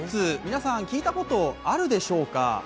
皆さん、聞いたことあるでしょうか？